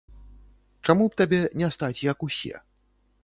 Чаму б табе не стаць, як усе?